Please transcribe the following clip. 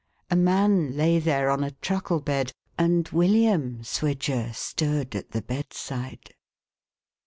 A man lay there, on a truckle bed, and William Swidger stood at the bedside.